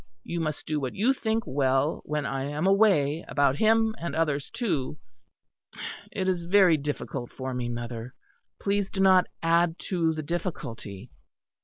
You must do what you think well when I am away, about him and others too. It is very difficult for me, mother; please do not add to the difficulty."